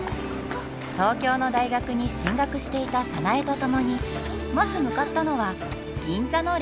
東京の大学に進学していた早苗と共にまず向かったのは銀座のレストラン！